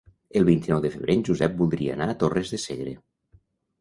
El vint-i-nou de febrer en Josep voldria anar a Torres de Segre.